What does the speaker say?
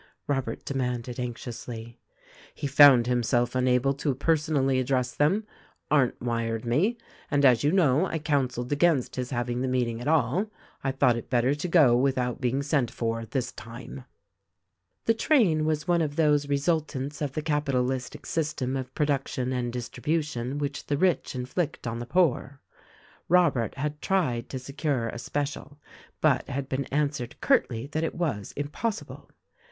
Robert demanded anxiously. "He found himself unable to personally address them, Arndt wired me ; and as you know, I counseled against his having the meeting at all. I thought it better to go with out being sent for, this time." The train was one of those resultants of the capitalistic system of production and distribution which the rich inflict on the poor. Robert had tried to secure a special, but had been answered curtly that it was impossible.